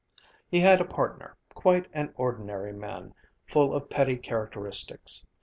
He had a partner, quite an ordinary man, full of petty characteristics.